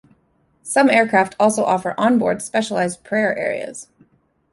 Some aircraft also offer onboard specialized prayer areas.